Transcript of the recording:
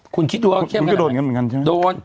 คุณก็โดดอย่างนั้นใช่มั้ย